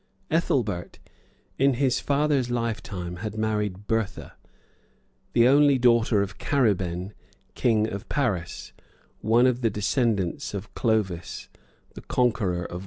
Ethelbert, in his father's lifetime, had married Bertha, the only daughter of Cariben, king of Paris,[*] one of the descendants of Clovis, the conqueror of Gaul.